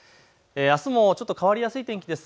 あすもちょっと変わりやすい天気です。